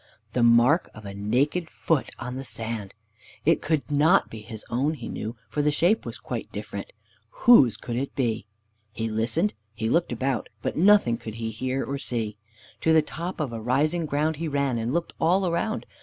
The mark of a naked foot on the sand! It could not be his own, he knew, for the shape was quite different. Whose could it be? He listened, he looked about, but nothing could he hear or see. To the top of a rising ground he ran, and looked all around.